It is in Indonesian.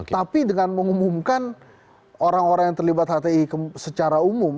tapi dengan mengumumkan orang orang yang terlibat hti secara umum